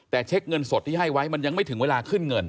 แต่เช็คเงินสดที่ให้ไว้มันยังไม่ถึงเวลาขึ้นเงิน